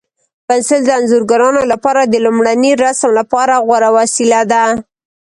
پنسل د انځورګرانو لپاره د لومړني رسم لپاره غوره وسیله ده.